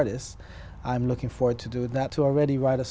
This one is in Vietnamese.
tôi nói như thế này